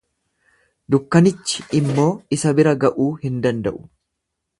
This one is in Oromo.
Dukkanichi immoo isa bira ga'uu hin danda'u.